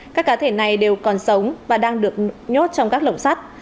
các cá thể này đều còn sống và đang được nhốt trong các lồng sắt